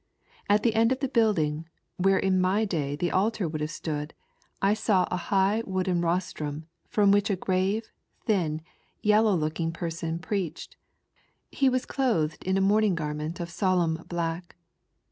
At the end of the building, where in my day the altar would have stood, I saw a high wooden rostrum from which a grave, thin, yellow looking person preached. He was clothed in a mourning garment of solemn black.